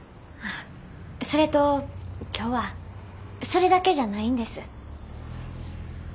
それと今日はそれだけじゃないんです。